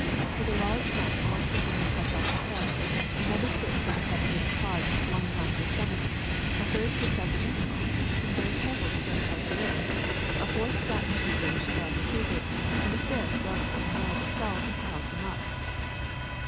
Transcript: With a large knife one fisher man cuts off the heads ; another slits the decapitated cods along the line of the stomach ; a third takes out the entrails, being very careful to set aside the liver ; a fourth flattens the fish thus treated ; and a fifth rubs them well with salt and piles them up.'